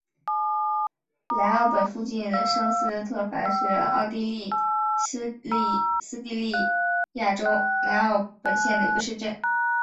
莱奥本附近圣斯特凡是奥地利施蒂利亚州莱奥本县的一个市镇。